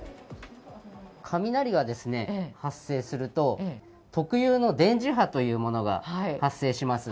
雷が発生すると、特有の電磁波というものが発生します。